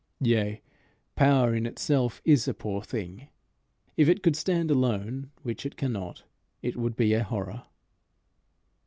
Yea, power in itself is a poor thing. If it could stand alone, which it cannot, it would be a horror.